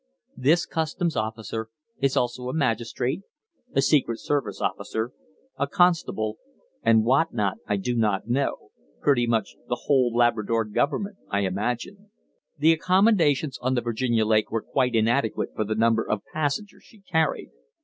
This customs officer is also a magistrate, a secret service officer, a constable, and what not I do not know pretty much the whole Labrador Government, I imagine. The accommodations on the Virginia Lake were quite inadequate for the number of passengers she carried.